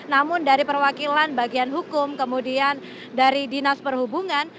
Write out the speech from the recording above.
namun dari perwakilan bagian hukum kemudian dari dinas perhubungan